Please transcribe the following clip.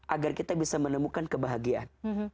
agar kita bisa menemukan kebahagiaan